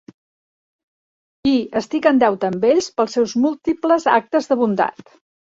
I estic en deute amb ell pels seus múltiples actes de bondat.